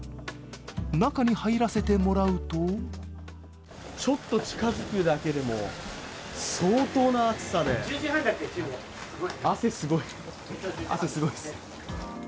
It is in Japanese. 中に入らせてもらうとちょっと近づくだけでも相当な暑さで汗、すごいですね。